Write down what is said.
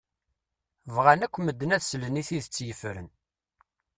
Bɣan akk medden ad slen i tidett yefren.